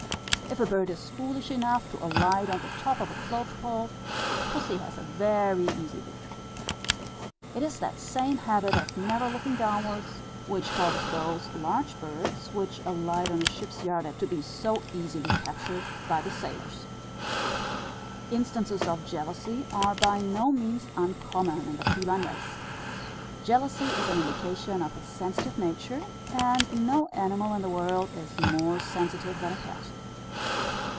If a bird is foolish enough to alight on the top of a clothes pole, pussy has a very easy victory. It is that same habit of never looking downwards, which causes those large birds, which alight on a ship's yards at sea, to be so easily captured by the sailors. Instances of jealousy are by no means uncommon in the feline race. Jealousy is an indication of a sensitive nature, and no animal in the world is more sensitive than a cat.